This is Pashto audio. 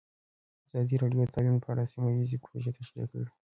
ازادي راډیو د تعلیم په اړه سیمه ییزې پروژې تشریح کړې.